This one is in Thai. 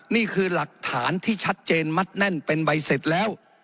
นี่คือหลักฐานที่ชัดเจนมัดแน่นเป็นใบเสร็จแล้ว